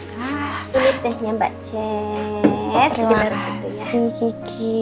terima kasih kiki